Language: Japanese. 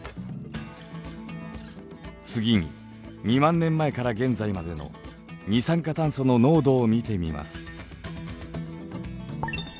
次に２万年前から現在までの二酸化炭素の濃度を見てみます。